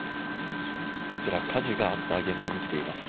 こちら、火事があった現場に来ています。